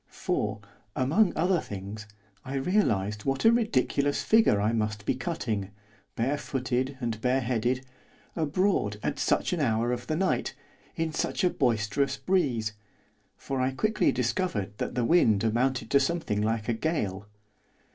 For, among other things, I realised what a ridiculous figure I must be cutting, barefooted and bareheaded, abroad, at such an hour of the night, in such a boisterous breeze, for I quickly discovered that the wind amounted to something like a gale.